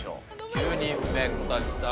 ９人目小瀧さん